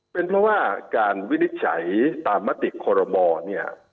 เป็นเพราะว่าการวินิจฉัยตามมติคอรมอเนี่ย